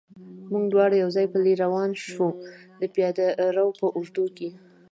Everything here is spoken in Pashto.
موږ دواړه یو ځای پلی روان شو، د پیاده رو په اوږدو کې.